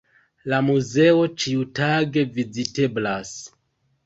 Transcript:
La muzeo ĉiutage viziteblas.